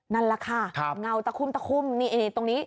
นั่นล่ะค่ะเงาระบุตรตรงนี้